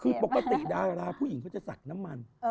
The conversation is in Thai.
คือปกติดาราผู้หญิงเขาจะสักน้ำมัน